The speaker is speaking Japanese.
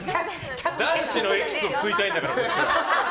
男子のエキスを吸いたいんだから。